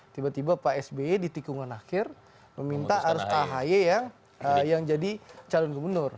tiba tiba pak sby di tikungan akhir meminta harus ahy yang jadi calon gubernur